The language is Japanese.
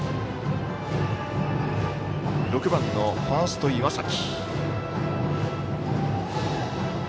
６番のファースト、岩崎。